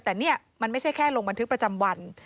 แต่นี่มันไม่ใช่แค่ลงบันทึกประจำวัน